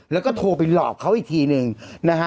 แล้วก็โทรไปหลอกเขาอีกทีหนึ่งนะฮะ